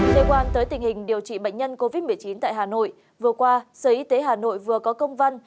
liên quan tới tình hình điều trị bệnh nhân covid một mươi chín tại hà nội vừa qua sở y tế hà nội vừa có công văn